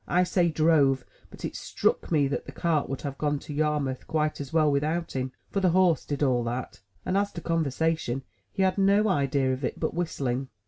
I say "drove," but it struck me that the cart would have gone to Yarmouth quite as well without him, for the horse did all that — and as to conversation, he had no idea of it but whistling.